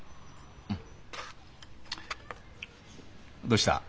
どうした？